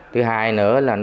thứ hai nữa là nó có